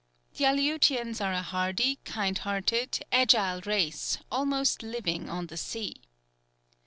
The Aleutians are a hardy, kind hearted, agile race, almost living on the sea.